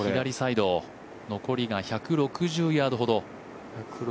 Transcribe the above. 左サイド残りが１６０ヤードほど。